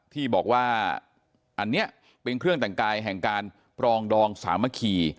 ที่บอกว่าอันนี้เป็นเครื่องแต่งกายแห่งการปรองดองสามัคคี